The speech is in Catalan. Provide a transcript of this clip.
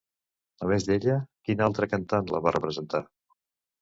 A més d'ella, quina altra cantant la va representar?